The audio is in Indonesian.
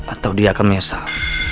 atau dia akan menyesal